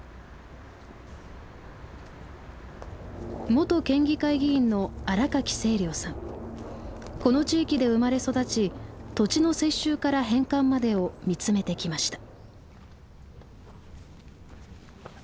元県議会議員のこの地域で生まれ育ち土地の接収から返還までを見つめてきました。